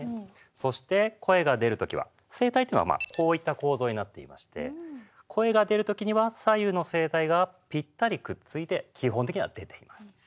そして声が出るときは声帯というのはこういった構造になっていまして声が出るときには左右の声帯がぴったりくっついて基本的には出ています。